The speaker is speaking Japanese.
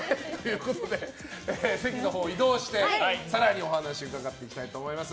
席のほうに移動して、更にお話伺っていきたいと思います。